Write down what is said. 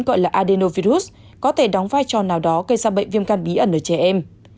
gọi là adenovirus có thể đóng vai trò nào đó gây ra bệnh viêm căn bí ẩn ở trẻ em